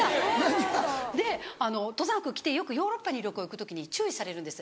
で登山服着てよくヨーロッパに旅行行く時に注意されるんです。